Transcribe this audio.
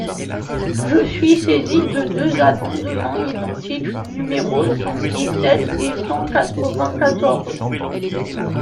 Je suis saisi de deux amendements identiques, numéros cent dix-sept et cent quatre-vingt-quatorze.